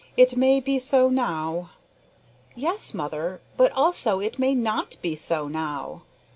It may be so now." "Yes, mother, but also it may not be so now.